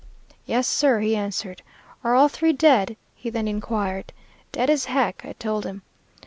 "'Yes, sir,' he answered. 'Are all three dead?' he then inquired. "'Dead as heck,' I told him.